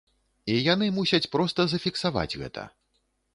І яны мусяць проста зафіксаваць гэта.